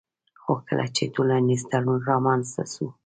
خو کله چي ټولنيز تړون رامنځته سو